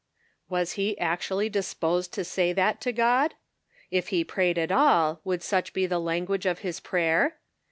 Was he actually disposed to say that to God? If he prayed at all, would such be the language of his prayer